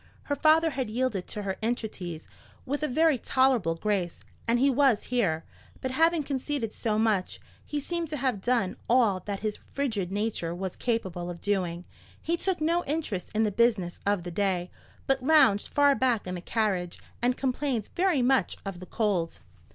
Her father had yielded to her entreaties with a very tolerable grace, and he was here; but having conceded so much, he seemed to have done all that his frigid nature was capable of doing. He took no interest in the business of the day, but lounged far back in the carriage, and complained very much of the cold.